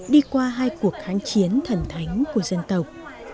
đi qua hai cuộc kháng chiến thần thánh của dân tộc